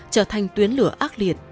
trở thành tuyến lửa ác liệt